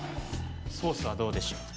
ソースはどうでしょう？